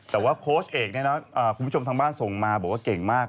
แต่ว่าโค้ชเอกเนี่ยนะคุณผู้ชมทางบ้านส่งมาบอกว่าเก่งมาก